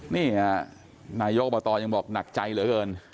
นี่นายกบัตรอย่างบอกหนักใจเหลือเกิน